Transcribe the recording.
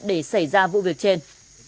để xảy ra vụ việc trên